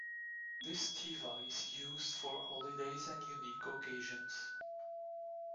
This tevah was used for holidays and unique occasions.